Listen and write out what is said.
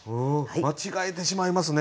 間違えてしまいますね